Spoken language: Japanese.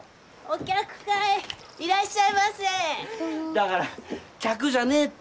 だから客じゃねえって！